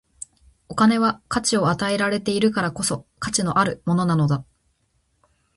お金は価値を与えられているからこそ、価値あるものなのだ。